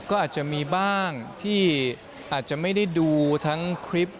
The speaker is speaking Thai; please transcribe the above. ก็อาจจะมีบ้างที่อาจจะไม่ได้ดูทั้งคลิป